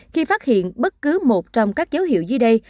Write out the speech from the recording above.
khi phát hiện bất cứ một trong các dấu hiệu dưới đây